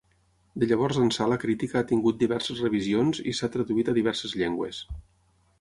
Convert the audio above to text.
De llavors ençà la crítica ha tingut diverses revisions i s'ha traduït a diverses llengües.